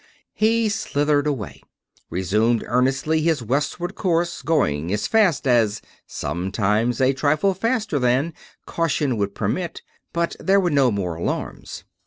He slithered away; resumed earnestly his westward course: going as fast as sometimes a trifle faster than caution would permit. But there were no more alarms.